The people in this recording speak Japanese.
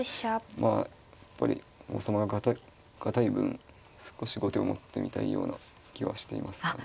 やっぱり王様が堅い分少し後手を持ってみたいような気はしていますね。